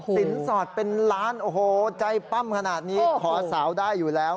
สินสอดเป็นล้านโอ้โหใจปั้มขนาดนี้ขอสาวได้อยู่แล้ว